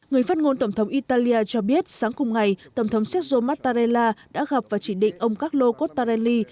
người phát ngôn tổng thống italia cho biết sáng cùng ngày tổng thống sergo mattarella đã gặp và chỉ định ông carlo cottarely